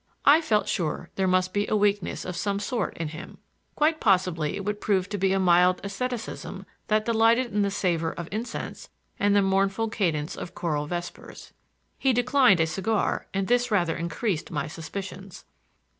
I felt sure there must be a weakness of some sort in him. Quite possibly it would prove to be a mild estheticism that delighted in the savor of incense and the mournful cadence of choral vespers. He declined a cigar and this rather increased my suspicions.